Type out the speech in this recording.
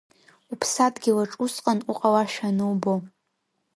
Уԥсадгьылаҿ усҟан уҟалашәа анубо…